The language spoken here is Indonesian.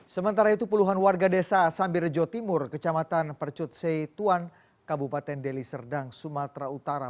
sementara itu puluhan warga desa sambirejo timur kecamatan percut setuan kabupaten deli serdang sumatera utara